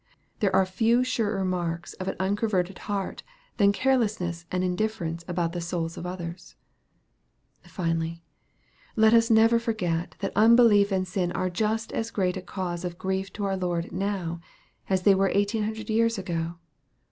There are few surer marks of an unconverted heart, than carelessness and indifference about the souls of others. Finally, let us never forget that unbelief and sin are just as great a cause of grief to our Lord now, as they were eighteen hundred years ago.